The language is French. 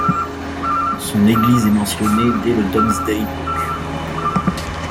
Son église est mentionnée dès le Domesday Book.